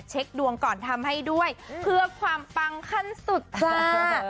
เช็คดวงก่อนทำให้ด้วยเพื่อความปังขั้นสุดจ้า